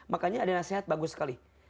makanya ada nasihat bagus sekali